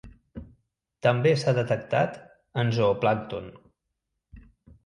També s'ha detectat en zooplàncton.